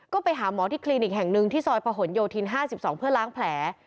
ก็ไปหาหมอที่คลินิกแห่งหนึ่งที่ซอยประหลโยธิน๕๒เพื่อล้างแผล